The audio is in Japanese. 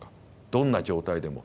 どんな状態でも。